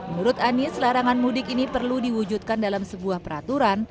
menurut anies larangan mudik ini perlu diwujudkan dalam sebuah peraturan